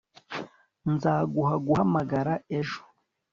Nzaguha guhamagara ejo